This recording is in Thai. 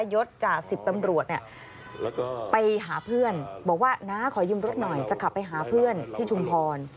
ยศจ่าสิบตำรวจเนี่ยแล้วก็ไปหาเพื่อนบอกว่าน้าขอยืมรถหน่อยจะขับไปหาเพื่อนที่ชุมพร